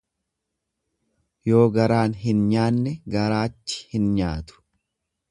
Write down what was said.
Yoo garaan hin nyaanne garaachi hin nyaatu.